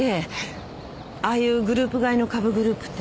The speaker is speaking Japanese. ああいうグループ買いの株グループってね